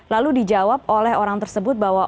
lalu dijawab oleh orang tersebut bahwa